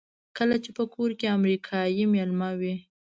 کله چې په کور کې امریکایی مېلمه وي.